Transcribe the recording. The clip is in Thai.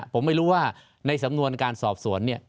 ผมไม่รู้ว่าในสำนวนการสอบสรวง